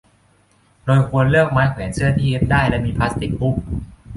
โดยควรเลือกไม้แขวนเสื้อที่ยืดได้และมีพลาสติกหุ้ม